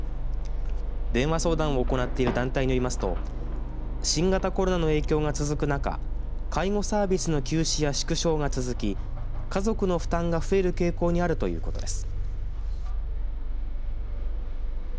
電話相談を行っている団体によりますと新型コロナの影響が続く中介護サービスの休止や縮小が続き家族の負担が増える傾向にあるということです。